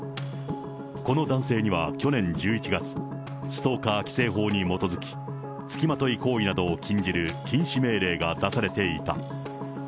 この男性には去年１１月、ストーカー規制法に基づき、付きまとい行為などを禁じる禁止命令が出されていた。